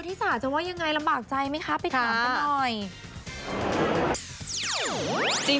ที่สาจะว่ายังไงลำบากใจไหมคะไปถามกันหน่อย